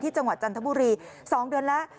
จังหวัดจันทบุรี๒เดือนแล้ว